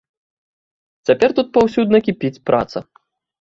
Цяпер тут паўсюдна кіпіць праца.